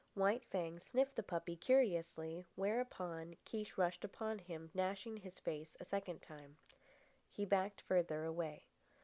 White Fang sniffed the puppy curiously, whereupon Kiche rushed upon him, gashing his face a second time. He backed farther away.